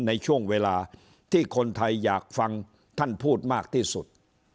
ในช่วงเวลาที่คนไทยอยากฟังท่านพูดมากที่สุด